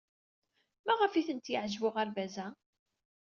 Maɣef ay ten-yeɛjeb uɣerbaz-a?